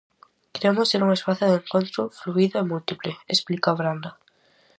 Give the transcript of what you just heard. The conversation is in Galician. "Queremos ser un espazo de encontro fluído e múltiple", explica Branda.